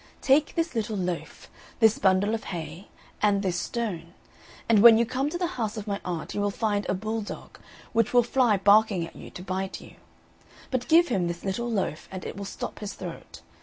Take this little loaf, this bundle of hay, and this stone; and when you come to the house of my aunt, you will find a bulldog, which will fly barking at you to bite you; but give him this little loaf, and it will stop his throat.